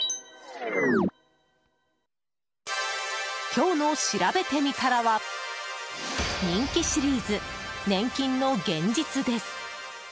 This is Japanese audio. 今日のしらべてみたらは人気シリーズ、年金の現実です。